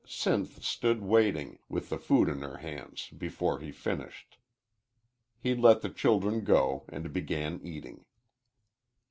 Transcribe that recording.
Sinth stood waiting, with the food in her hands, before he finished. He let the children go and began eating.